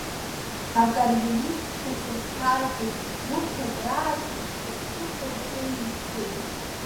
Акариеристцәа сыхҭаркит, урҭ акрааҵуеит слаԥшықәырҵеижьҭеи.